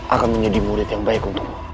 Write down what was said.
akan menjadi murid yang baik untukmu